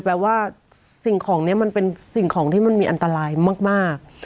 แปลว่าสิ่งของนี้มันเป็นสิ่งของที่มันมีอันตรายมาก